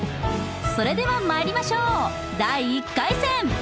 それではまいりましょう第１回戦！